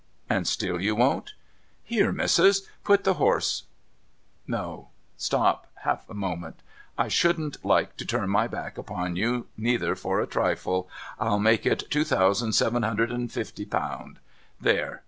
And still you won't ? Here, missis ! Put the horse ■— no, stop half a moment, I shouldn't like to turn my back upon you neither for a trifle, I'll make it two thousand seven hundred and fifty pound. There